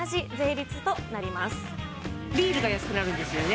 ビールが安くなるんですよね。